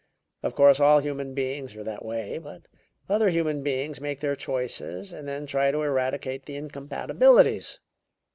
Of course, all human beings are that way, but other human beings make their choices and then try to eradicate the incompatibilities.